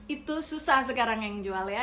itu susah sekarang yang jual ya